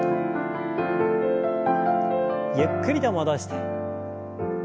ゆっくりと戻して。